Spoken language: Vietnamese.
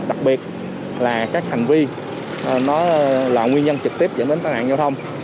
đặc biệt là các hành vi nó là nguyên nhân trực tiếp dẫn đến tai nạn giao thông